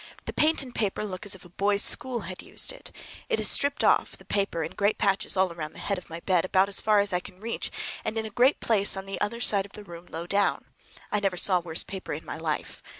The paint and paper look as if a boys' school had used it. It is stripped off—the paper—in great patches all around the head of my bed, about as far as I can reach, and in a great place on the other side of the room low down. I never saw a worse paper in my life.